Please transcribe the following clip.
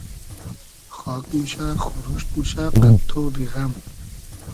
خاگ موشۂ خوروشت موشۂ قئد تۉبی غئم